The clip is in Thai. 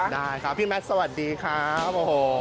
ได้ครับพี่แมทท์สวัสดีครับ